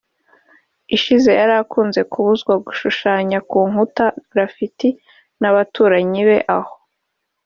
Ishize yarakunze kubuzwa gushushanya ku nkuta (graffiti) n’abaturanyi be aho